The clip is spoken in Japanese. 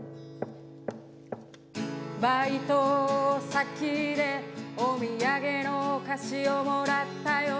「バイト先でお土産のお菓子をもらったよ」